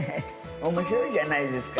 おもしろいじゃないですか。